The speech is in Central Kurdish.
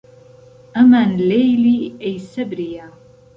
ئەمان لێی لی ئەی سەبرییە